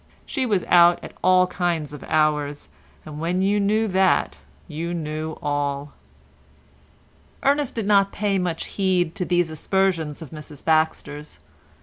She was out at all kinds of hours, and when you knew that you knew all. Ernest did not pay much heed to these aspersions of Mrs Baxter's.